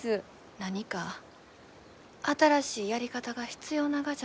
何か新しいやり方が必要ながじゃね。